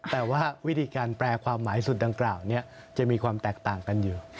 แต่ว่าวิธีการแปลความหมายสุดดังกล่าวจะมีความแตกต่างกันอยู่